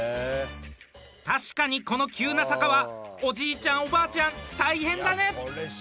確かにこの急な坂はおじいちゃん、おばあちゃん大変だね！